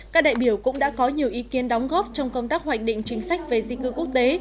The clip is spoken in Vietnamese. các đại biểu cũng đã có nhiều ý kiến đóng góp trong công tác hoạch định chính sách về di cư quốc tế